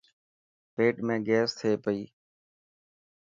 پيٽ ۾ گيس ٿي پئي.